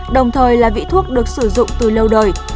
đồng thời là vị thuốc được sử dụng từ lâu đời